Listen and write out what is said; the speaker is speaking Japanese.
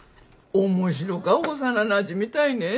面白か幼なじみたいね。